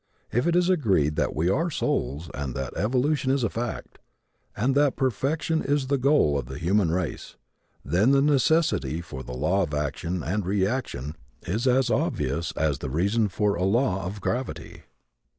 If it is agreed that we are souls, that evolution is a fact, and that perfection is the goal of the human race, then the necessity for the law of action and reaction is as obvious as the reason for a law of gravity.